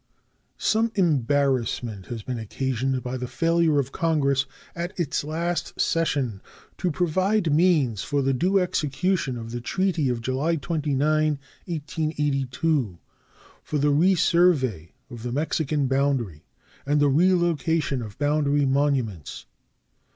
Some embarrassment has been occasioned by the failure of Congress at its last session to provide means for the due execution of the treaty of July 29, 1882, for the resurvey of the Mexican boundary and the relocation of boundary monuments.